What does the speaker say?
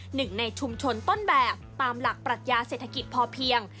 หนึ่งในชุมชนต้นแบบตามหลักปรัชญาเศรษฐกิจพอเพียง